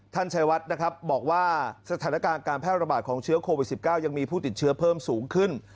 ชัยวัดนะครับบอกว่าสถานการณ์การแพร่ระบาดของเชื้อโควิด๑๙ยังมีผู้ติดเชื้อเพิ่มสูงขึ้น